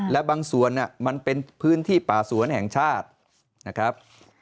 และบางส่วนมันเป็นพื้นที่ป่าสวนแห่งชาตินะครับ